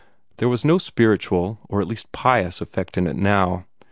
There was no spiritual, or at least pious, effect in it now.